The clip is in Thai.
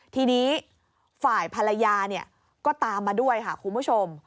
ทีนี้ฝ่ายภรรยาเนี่ยก็ตามมาด้วยค่ะคุณผู้ชม